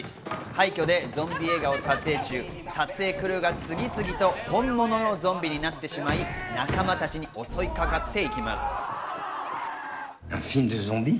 廃墟でゾンビ映画を撮影中、撮影クルーが次々と本物のゾンビになってしまい、仲間たちに襲いかかってきます。